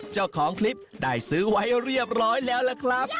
เจ้าของคลิปได้ซื้อไว้เรียบร้อยแล้วล่ะครับ